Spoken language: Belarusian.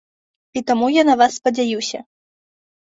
І таму я на вас спадзяюся.